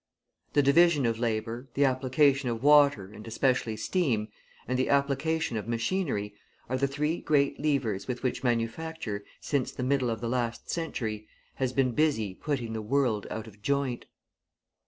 The division of labour, the application of water and especially steam, and the application of machinery, are the three great levers with which manufacture, since the middle of the last century, has been busy putting the world out of joint.